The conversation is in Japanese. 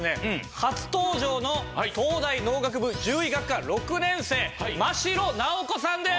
初登場の東大農学部獣医学科６年生真城奈央子さんです。